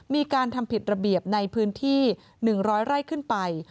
มีการทำผิดระเบียบในพื้นที่๑๐๐ไร่ขึ้นไป